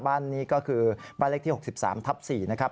บ้านนี้ก็คือบ้านเลขที่๖๓ทับ๔นะครับ